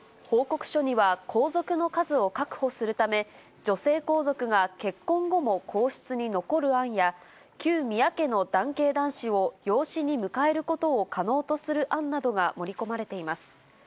報告書には、皇族の数を確保するため、女性皇族が結婚後も皇室に残る案や、旧宮家の男系男子を養子に迎えることを可能とする案などが盛り込まれています。